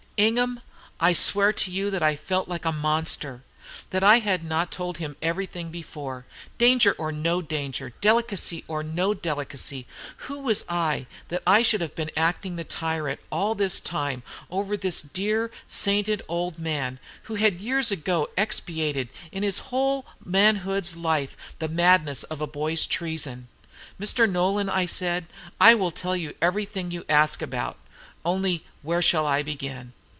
"Ingham, I swear to you that I felt like a monster that I had not told him everything before. Danger or no danger, delicacy or no delicacy, who was I, that I should have been acting the tyrant all this time over this dear, sainted old man, who had years ago expiated, in his whole manhood's life, the madness of a boys treason? 'Mr. Nolan,' said I, 'I will tell you everything you ask about. Only, where shall I begin?'